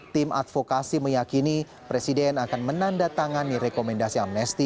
tim advokasi meyakini presiden akan menandatangani rekomendasi amnesti